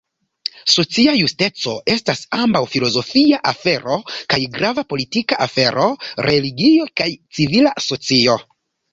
Socia justeco estas ambaŭ filozofia afero kaj grava politika afero, religio, kaj civila socio.